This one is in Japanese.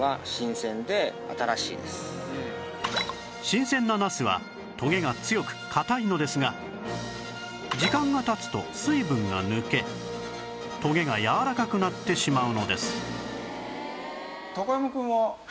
新鮮なナスはトゲが強くかたいのですが時間が経つと水分が抜けトゲがやわらかくなってしまうのです